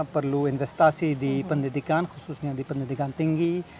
perlu investasi di pendidikan khususnya di pendidikan tinggi